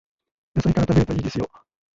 野菜から食べるといいですよ